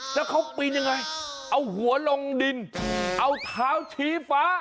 แล้วเขาปีนยังไงเอาหัวลงดินเอาเท้าชี้ฟ้า